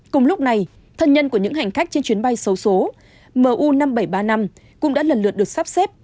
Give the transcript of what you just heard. cùng lúc này thân nhân của những hành khách trên chuyến bay xấu số mu năm nghìn bảy trăm ba mươi năm cũng đã lần lượt được sắp xếp